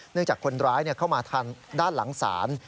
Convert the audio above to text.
จากคนร้ายเข้ามาทางด้านหลังศาล